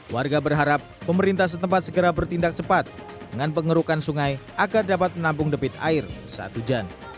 warga berharap pemerintah setempat segera bertindak cepat dengan pengerukan sungai agar dapat menampung debit air saat hujan